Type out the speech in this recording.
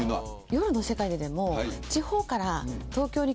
夜の世界でも。